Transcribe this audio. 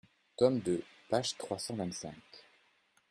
Tome deux, page trois cent vingt-cinq.